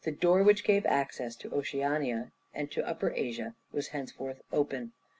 The door which gave access to Oceania, and to Upper Asia, was henceforth open.